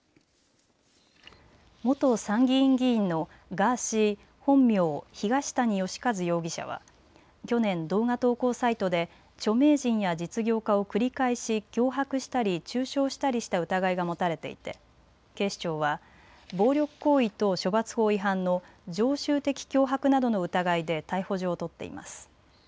元参議院議員のガーシー本名、東谷義和容疑者は去年、動画投稿サイトで著名人や実業家を繰り返し脅迫したり中傷したりした疑いが持たれていて警視庁は暴力行為等処罰法違反の常習的脅迫などの疑いで逮捕状を取っています。